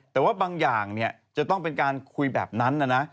แต่ว่าบางอย่างเนี่ยจะต้องเป็นการคุยแบบนั้นนะ